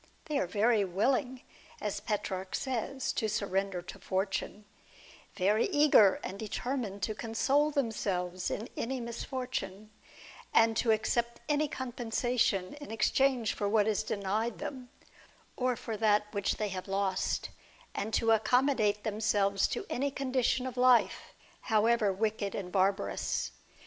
They are very willing, as Petrarch says, to surrender to fortune ; very eager and determined to console themselves in any misfortune ; and to accept any compensation in exchange for what is denied them, or for that which they have lost ; and to accommodate themselves to any condition of life, however wicked and barbarous.